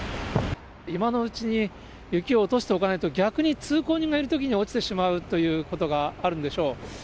今のうちに、雪を落としておかないと、逆に通行人がいるときに落ちてしまうということがあるんでしょう。